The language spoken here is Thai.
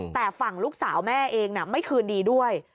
แต่ฝั่งลูกสาวแม่เองไม่คืนดีด้วย